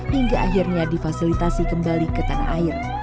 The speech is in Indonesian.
hingga akhirnya difasilitasi kembali ke tanah air